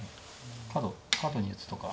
カドに打つとか。